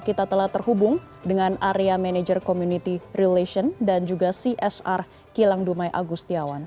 kita telah terhubung dengan area manager community relation dan juga csr kilang dumai agustiawan